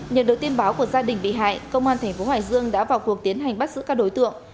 nhận được tin báo của gia đình bị hại công an tp hải dương đã vào cuộc tiến hành bắt giữ các đối tượng